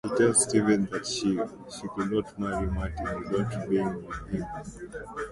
She tells Stephen that she could not marry Martyn without being with him.